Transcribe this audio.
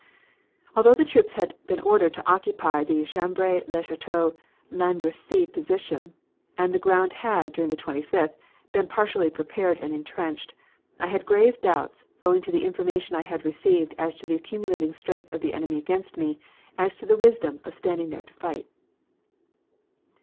"Although the troops had been ordered to occupy the Cambrai Le Cateau Landrecies position, and the ground had, during the 25th, been partially prepared and intrenched, I had grave doubts, owing to the information I had received as to the accumulating strength of the enemy against me as to the wisdom of standing there to fight.